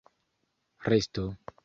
resto